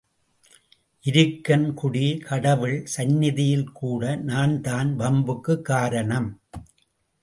இருக்கன் குடி கடவுள் சந்நிதியில் கூட நான் தான் வம்புக்குக் காரணம்.